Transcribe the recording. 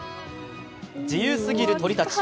自由すぎる鳥たち。